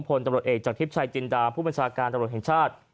ภพตำรวจเอกจากพิชชัยจินดามผู้ประชาการตำรวจแห่งชาติ